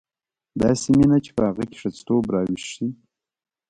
داسې مینه چې په هغه کې ښځتوب راویښ شي.